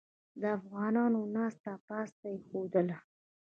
د افغانانو ناسته پاسته یې خوښیدله.